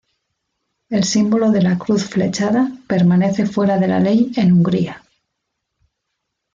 El símbolo de la cruz flechada permanece fuera de la ley en Hungría.